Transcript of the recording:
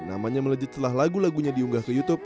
namanya melejit setelah lagu lagunya diunggah ke youtube